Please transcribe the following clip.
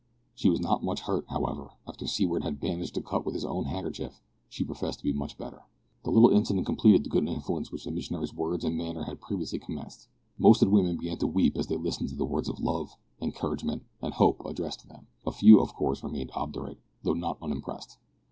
She was not much hurt, however. After Seaward had bandaged the cut with his own handkerchief she professed to be much better. This little incident completed the good influence which the missionary's words and manner had previously commenced. Most of the women began to weep as they listened to the words of love, encouragement, and hope addressed to them. A few of course remained obdurate, though not unimpressed.